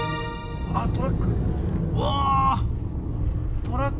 あっ、トラック。